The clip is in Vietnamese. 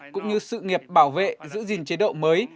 cũng như sự nghiệp bảo vệ giữ gìn chế độ mới